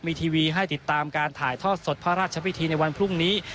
มีทีวีให้ติดตามการถ่ายทอดสดพระราชพิธีในวันพรุ่งนี้